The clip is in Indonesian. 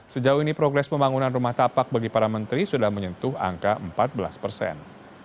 sejauh ini progres pembangunan rumah tapak bagi para menteri sudah menyentuh angka empat belas persen